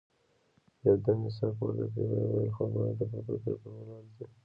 يودم يې سر پورته کړ، ويې ويل: خبره دې په فکر کولو ارزي.